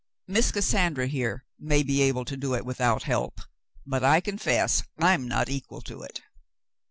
Miss Cassandra here may be able to do it without help, but I confess I'm not equal to it."